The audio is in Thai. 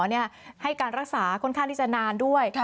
ให้การรักษาค่อนข้างที่จะนานด้วย